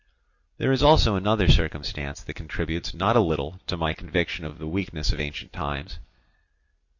There is also another circumstance that contributes not a little to my conviction of the weakness of ancient times.